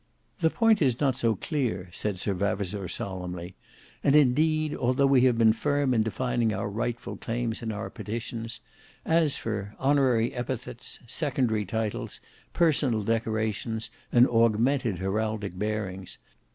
"The point is not so clear," said Sir Vavasour solemnly; "and indeed, although we have been firm in defining our rightful claims in our petitions, as for 'honorary epithets, secondary titles, personal decorations, and augmented heraldic bearings.